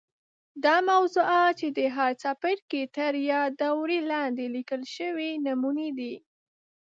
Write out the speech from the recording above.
دا موضوعات چې د هر څپرکي تر یادوري لاندي لیکل سوي نمونې دي.